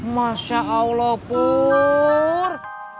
masya allah pur